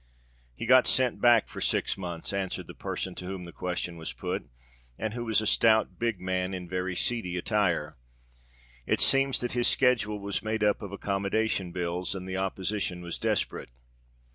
"He got sent back for six months," answered the person to whom the question was put, and who was a stout, big man, in very seedy attire. "It seems that his schedule was made up of accommodation bills, and the opposition was desperate."